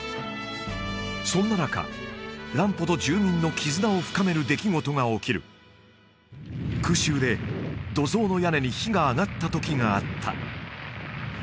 そんな中乱歩と住民の絆を深める出来事が起きる空襲で土蔵の屋根に火があがったときがあった